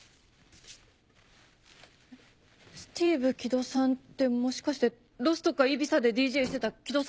スティーブ・キドさんってもしかしてロスとかイビサでＤＪしてたキドさんですか？